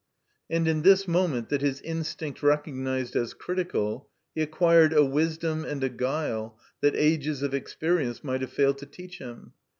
And in this moment that his instinct recognized as critical, he acquired a wisdom and a guile that ages of experience might have failed to teach him.